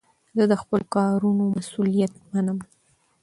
زه د خپلو کارونو مسئولیت منم.